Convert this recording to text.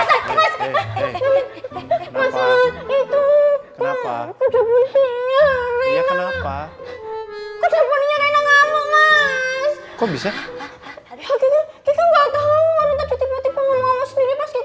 semoga ber trail onethah dan jelek